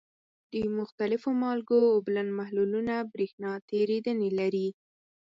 د مختلفو مالګو اوبلن محلولونه برېښنا تیریدنې لري.